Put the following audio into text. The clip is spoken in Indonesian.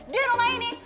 di rumah ini